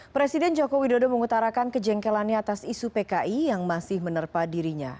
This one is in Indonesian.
presiden jokowi dodo mengutarakan kejengkelannya atas isu pki yang masih menerpa dirinya